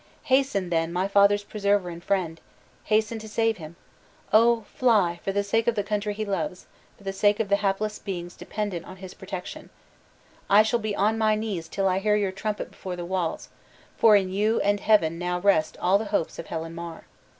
"Hasten, then, my father's preserver and friend! hasten to save him! Oh, fly, for the sake of the country he loves; for the sake of the hapless beings dependent on his protection! I shall be on my knees till I hear your trumpet before the walls; for in you and Heaven now rest all the hopes of Helen Mar."